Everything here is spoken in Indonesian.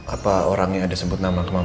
apa orangnya ada sebut nama ke mama